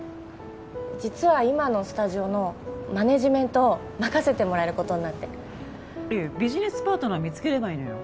実は今のスタジオのマネジメントを任せてもらえることになっていやビジネスパートナー見つければいいのよ